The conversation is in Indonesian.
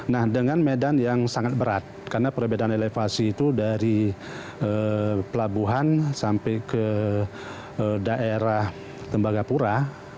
nah dengan medan yang sangat berat karena perbedaan elevasi itu dari pelabuhan sampai ke daerah tembagapura